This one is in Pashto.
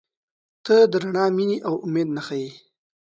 • ته د رڼا، مینې، او امید نښه یې.